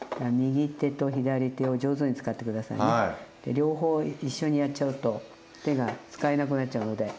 両方一緒にやっちゃうと手が使えなくなっちゃうので。